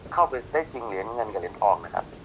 เข้าไปได้ชอบเหรียญเงินกับเหรียญทอง